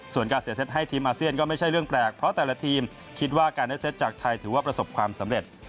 ส่วนการเสียเซตให้ทีมอาเซียนก็ไม่ใช่เรื่องแปลกเพราะแต่ละทีมคิดว่าการได้เซตจากไทยถือว่าประสบความสำเร็จ